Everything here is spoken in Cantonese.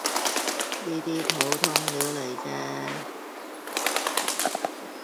呢啲普通料黎既啫